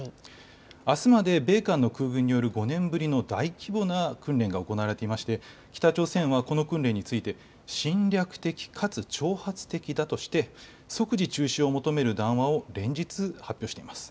あすまで米韓の空軍による５年ぶりの大規模な訓練が行われていまして北朝鮮はこの訓練について侵略的かつ挑発的だとして即時中止を求める談話を連日発表しています。